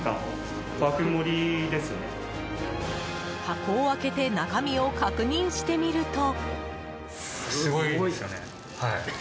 箱を開けて中身を確認してみると。